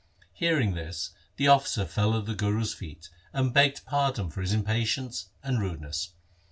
Hearing this the officer fell at the Guru's feet, and begged pardon for his impatience and rudeness.